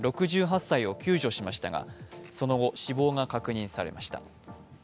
６８歳を救助しましたがその後、死亡が確認されました。